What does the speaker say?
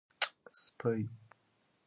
سپۍ